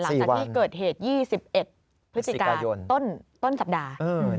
หลังจากที่เกิดเหตุ๒๑พฤศจิกาต้นสัปดาห์